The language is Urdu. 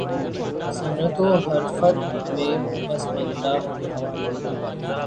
صنعت و حرفت میں پسماندہ تھے